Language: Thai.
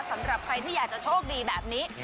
สำหรับใครที่อยากจะโชคดีแบบนี้